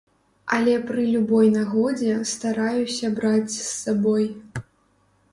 Але пры любой нагодзе стараюся браць з сабой.